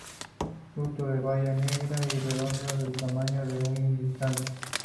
Fruto en baya, negra y redonda del tamaño de un guisante.